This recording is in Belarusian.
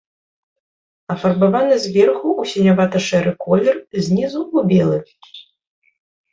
Афарбаваны зверху ў сінявата-шэры колер, знізу ў белы.